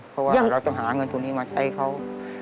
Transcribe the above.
เพราะว่าเราต้องหาเงินทุนนี้มาใช้เขา